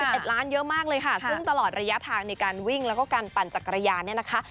เอ็ดล้านเยอะมากเลยค่ะซึ่งตลอดระยะทางในการวิ่งแล้วก็การปั่นจักรยานเนี่ยนะคะ